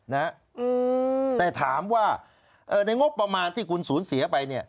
นะแต่ถามว่าในงบประมาณที่คุณศูนย์เสียไป